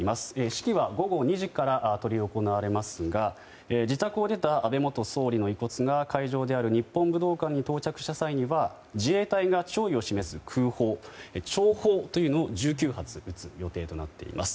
式は午後２時から執り行われますが自宅を出た安倍元総理の遺骨が会場である日本武道館に到着した際は自衛隊が弔意を示す空砲、弔砲というのを１９発撃つ予定となっています。